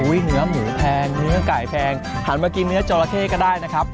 เนื้อหมูแพงเนื้อไก่แพงหันมากินเนื้อจอราเข้ก็ได้นะครับ